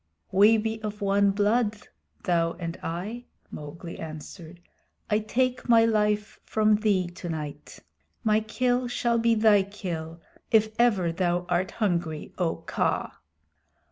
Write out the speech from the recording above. "We be one blood, thou and I," Mowgli answered. "I take my life from thee tonight. My kill shall be thy kill if ever thou art hungry, O Kaa."